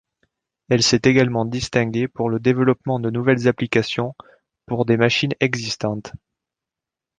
Elle s'est également distinguée pour le développement de nouvelles applications pour des machines existantes.